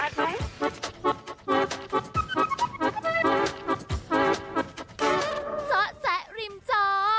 เจ้าแสริมจอ